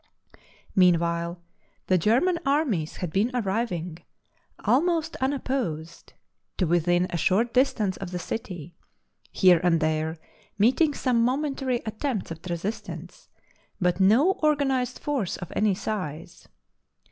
Meanwhile the German armies had been arriv ing, almost unopposed, to within a short distance of the city, here and there meeting some momentary attempts at resistance, but no organised force of any size.